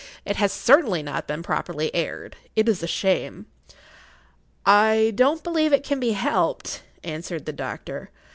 "It has certainly not been properly aired. It is a shame!" "I don't believe it can be helped," answered the doctor.